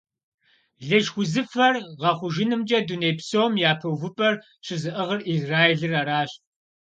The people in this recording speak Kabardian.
Лышх узыфэр гъэхъужынымкӀэ дуней псом япэ увыпӀэр щызыӀыгъыр Израилыр аращ.